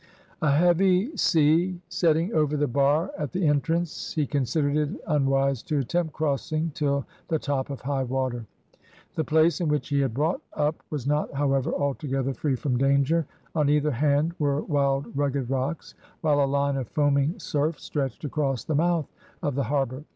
A heavy sea setting over the bar at the entrance he considered it unwise to attempt crossing till the top of high water. The place in which he had brought up was not however altogether free from danger. On either hand were wild rugged rocks, while a line of foaming surf stretched across the mouth of the harbour.